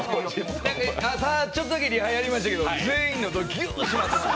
朝ちょっとだけリハやりましたけど、全員の喉ギューっとします。